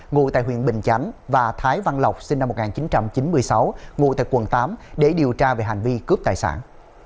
ngụ tại huyện bình chánh và thái văn lộc sinh năm một nghìn chín trăm chín mươi sáu ngụ tại quần tám để điều tra về hành vi cướp tài sản